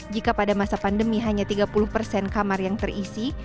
jika pada masa pandemi hanya tiga puluh persen kamar yang terisi